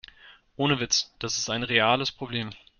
Ohne Witz, das ist ein reales Problem.